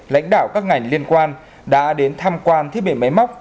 lãnh đạo các ngành liên quan đã đến tham quan thiết bị máy móc